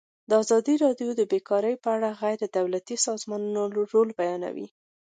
ازادي راډیو د بیکاري په اړه د غیر دولتي سازمانونو رول بیان کړی.